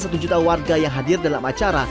ia mengklaim ada satu juta warga yang hadir dalam acara